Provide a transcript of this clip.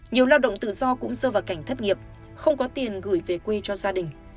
nhiều lao động tự do cũng rơi vào cảnh thất nghiệp không có tiền gửi về quê cho gia đình